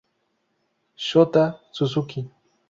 Shota Suzuki